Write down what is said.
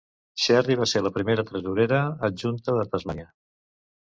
Sherry va ser la primera tresorera adjunta de Tasmània.